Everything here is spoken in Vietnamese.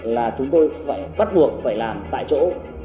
là chúng tôi bắt buộc phải làm tại chỗ